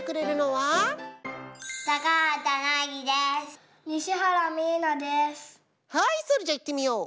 はいそれじゃあいってみよう。